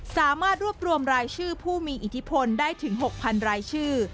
สามารถรวบรวมรายชื่อผู้มีอิทธิพลได้ถึง๖๐๐๐รายชื่อ